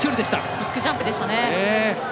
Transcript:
ビッグジャンプでした。